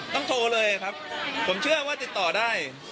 ต้องโทรเลยครับผมเชื่อว่าติดต่อได้